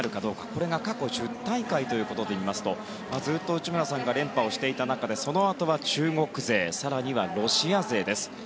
これが過去１０大会ということで見ますとずっと内村さんが連覇をしていた中でそのあとは中国勢更にはロシア勢です。